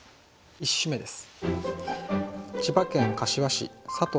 １首目です。